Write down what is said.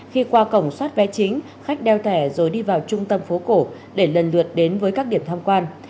khi qua cổng xót vé chính khách đeo thẻ rồi đi vào trung tâm phố cổ để lần lượt đến với các điểm tham quan